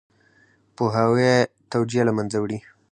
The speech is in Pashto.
پوهاوی توجیه له منځه وړي.